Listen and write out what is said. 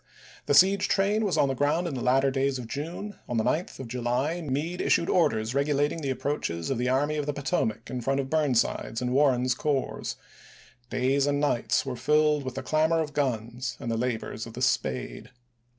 The siege train was on the ground 1864. in the latter days of June ; on the 9th of July Meade Report issued orders regulating the approaches of the ra cSS$2t Army of the Potomac in front of Burnside's and ° i864 65.ar' Warren's corps ; days and nights were filled with p. 244.*' the clamor of guns and the labors of the spade.